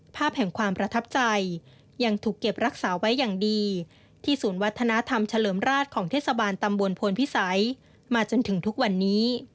ภาพแห่งความประทับใจยังถูกเก็บรักษาไว้อย่างดีที่ศูนย์วัฒนธรรมเฉลิมราชของเทศบาลตำบลพลพิสัยมาจนถึงทุกวันนี้